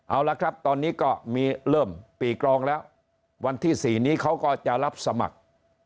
เอาละครับตอนนี้ก็มีเริ่มปีกรองแล้ววันที่๔นี้เขาก็จะรับสมัคร